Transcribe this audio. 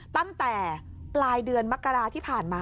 ตั้งแต่ปลายเดือนมกราที่ผ่านมา